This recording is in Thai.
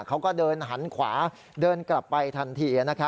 เขาก็เดินหันขวาเดินกลับไปทันที